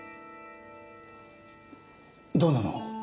どうなの？